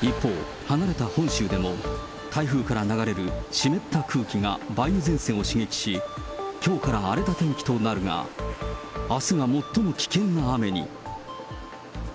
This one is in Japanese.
一方、離れた本州でも、台風から流れる湿った空気が梅雨前線を刺激し、きょうから荒れた天気となるが、あすが最も危険な雨に。